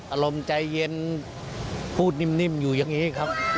อารมณ์ใจเย็นพูดนิ่มอยู่อย่างนี้ครับ